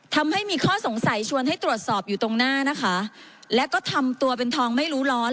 ทำให้มีข้อสงสัยชวนให้ตรวจสอบอยู่ตรงหน้านะคะแล้วก็ทำตัวเป็นทองไม่รู้ร้อน